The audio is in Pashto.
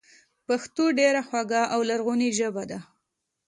پښتو ډېره خواږه او لرغونې ژبه ده